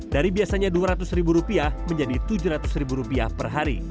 dari biasanya dua ratus ribu rupiah menjadi tujuh ratus ribu rupiah per hari